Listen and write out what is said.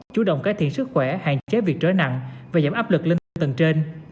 chủ động cải thiện sức khỏe hạn chế việc trớ nặng và giảm áp lực lên tầng trên